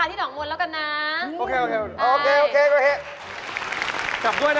อันนี้ทุกสุด